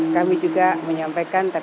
kami juga menyampaikan